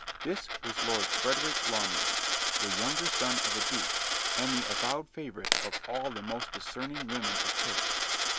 This was Lord Frederick Lawnly, the younger son of a Duke, and the avowed favourite of all the most discerning women of taste.